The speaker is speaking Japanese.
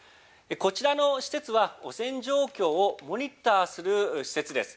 こちらの施設は、汚染状況をモニターする施設です。